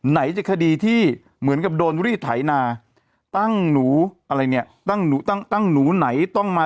ไหนจะคดีที่เหมือนกับโดนวิทย์ไถนาตั้งหนูอะไรเนี่ยตั้งหนูไหนต้องมา